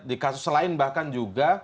di kasus lain bahkan juga